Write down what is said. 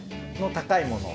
高いもの